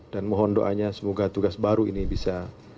dan mohon doanya semoga tugas baru ini bisa